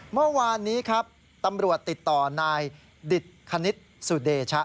เมื่อวานนี้ครับตำรวจติดต่อนายดิตคณิตสุเดชะ